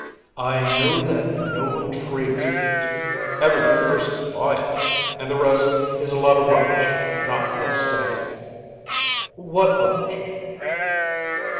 "I know that no one trades with it, everyone curses by it, and the rest is a lot of rubbish not worth saying." "What rubbish?"